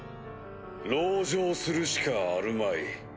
籠城するしかあるまい。